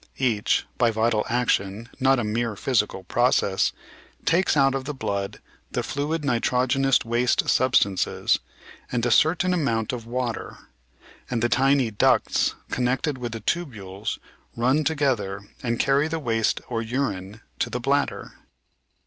Each — by vital action, not a mere physical process — ^takes out of the blood the fluid nitrogenous waste substances and a certain amount of water, and the tiny ducts connected with the tubules run together and carry the waste or urine to the bladder.